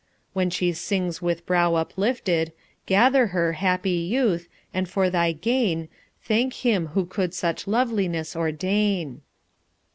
when she sings with brow uplifted; Gather her, happy youth, and for thy gain Thank Him who could such loveliness ordain.